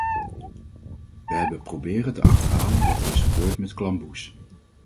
We hebben proberen te achterhalen wat er is gebeurd met klamboes.